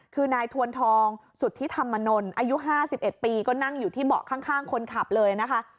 คือนายทวนทองสุธิธรรมนลอายุ๕๑ปีก็นั่งอยู่ที่เบาะข้างคนขับเลยนะคะ